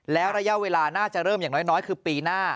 แล้วระยะเวลาน่าจะเริ่มอย่างน้อยคือปีหน้า